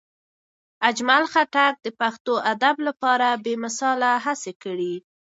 اجمل خټک د پښتو ادب لپاره بې مثاله هڅې کړي.